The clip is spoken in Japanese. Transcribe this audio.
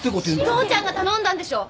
父ちゃんが頼んだんでしょ？